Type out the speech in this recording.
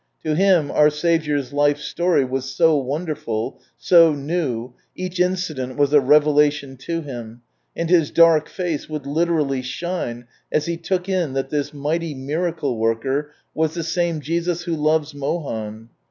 To him our Saviour's Life Story was so wonderful, so new, each incident was a revelation to him, and his dark face would literally shine as he took in that this mighty miracle worker was the same Jesus who "loves Mohan."